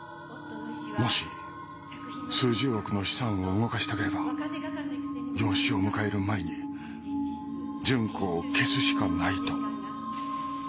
もし数十億の資産を動かしたければ養子を迎える前に純子を消すしかないと。